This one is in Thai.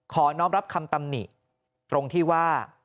น้องรับคำตำหนิตรงที่ว่า